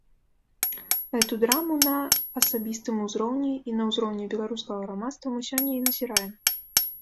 Гэту драму на асабістым узроўні і на ўзроўні беларускага грамадства мы сёння і назіраем.